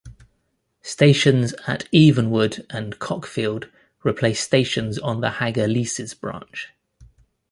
Stations at Evenwood and Cockfield replaced stations on the Hagger Leases branch.